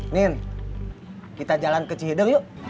nin kita jalan ke cihideng yuk